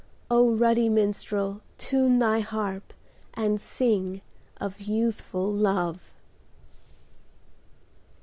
ruddy minstrel, time thy harp. And sing of Youthful Love